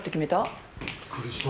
びっくりした。